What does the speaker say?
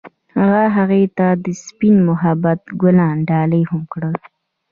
هغه هغې ته د سپین محبت ګلان ډالۍ هم کړل.